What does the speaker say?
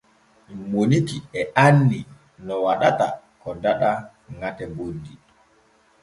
Moniki e anni no waɗata ko daɗa ŋate boddi.